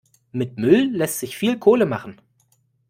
Mit Müll lässt sich viel Kohle machen.